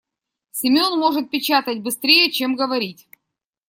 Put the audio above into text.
Семён может печатать быстрее, чем говорить.